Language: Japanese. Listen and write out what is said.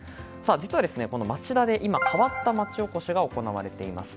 実は、町田で今、変わった町おこしが行われています。